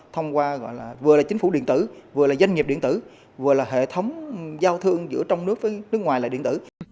thông qua gọi là vừa là chính phủ điện tử vừa là doanh nghiệp điện tử vừa là hệ thống giao thương giữa trong nước với nước ngoài là điện tử